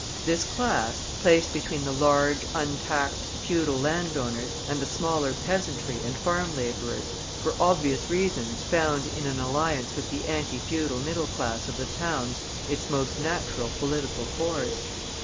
This class, placed between the large untaxed feudal landowners, and the smaller peasantry and farm laborers, for obvious reasons found in an alliance with the anti feudal middle class of the towns its most natural political course.